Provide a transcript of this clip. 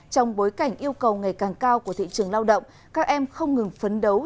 trong bối cảnh yêu cầu ngày càng cao của thị trường lao động các em không ngừng phấn đấu